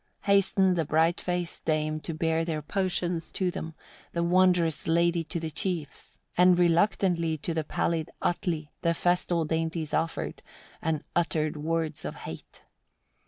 35. Hastened the bright faced dame to bear their potions to them, the wondrous lady to the chiefs; and reluctantly to the pallid Atli the festal dainties offered, and uttered words of hate.